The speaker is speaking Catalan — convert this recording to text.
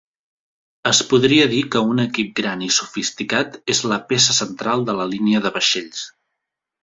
Es podria dir que un equip gran i sofisticat és la peça central de la línia de vaixells.